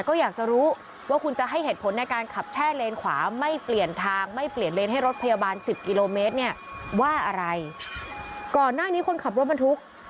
ก่อนนี้คนขับรถบรรทุก